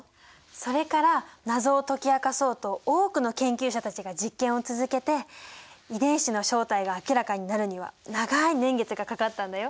それから謎を解き明かそうと多くの研究者たちが実験を続けて遺伝子の正体が明らかになるには長い年月がかかったんだよ。